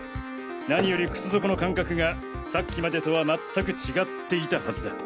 何より靴底の感覚がさっきまでとは全く違っていたはずだ。